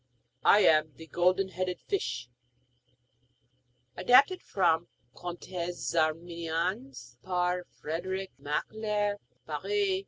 'I am the Golden headed Fish.' (Adapted from Contes Arméniens. Par Frédéric Macler, Paris.